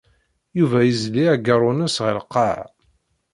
Yuba izelli ageṛṛu-nnes ɣer lqaɛa.